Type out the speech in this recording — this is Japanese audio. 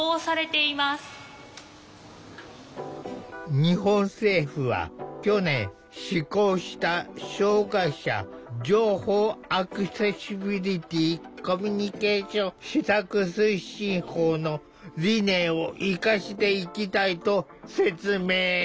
日本政府は去年施行した障害者情報アクセシビリティ・コミュニケーション施策推進法の理念を生かしていきたいと説明。